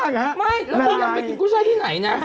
มันออกไปกินกุ้วใช้ที่ไหนนะ